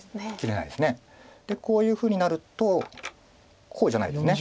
こういうふうになるとこうじゃないですね。